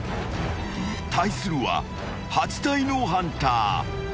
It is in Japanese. ［対するは８体のハンター］